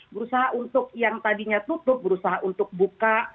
berusaha untuk yang tadinya tutup berusaha untuk buka